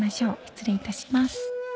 失礼いたします］